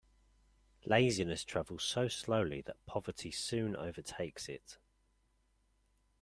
Laziness travels so slowly that poverty soon overtakes it.